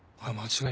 はい。